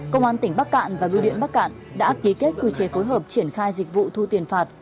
công an tỉnh bắc cạn và biêu điện bắc cạn đã ký kết quy chế phối hợp triển khai dịch vụ thu tiền phạt